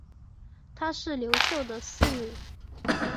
她是刘秀的四女。